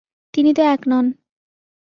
তিনি তো এক নন।